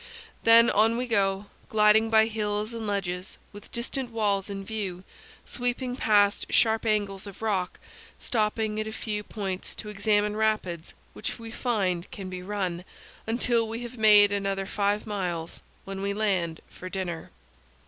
Then on we go, gliding by hills and ledges, with distant walls in view; sweeping past sharp angles of rock; stopping at a few points to examine rapids, which we find can be run, until we have made another five miles, when we land for dinner.